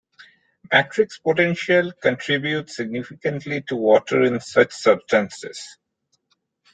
Matrix potential contributes significantly to water in such substances.